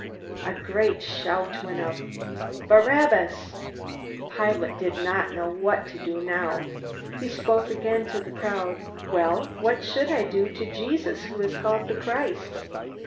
A great shout went up, "Barabbas!" Pilate did not know what to do now. He spoke again to the crowd, "Well, what shall I do to Jesus who is called the Christ?"